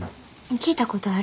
聞いたことある。